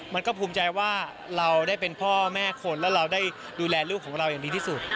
มันก็ภูมิใจว่าเราได้เป็นพ่อแม่คนแล้วเราได้ดูแลลูกของเราอย่างดีที่สุด